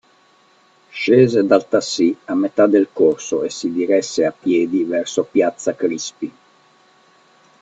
Scese dal tassi a metà del corso e si diresse a piedi verso piazza Crispi.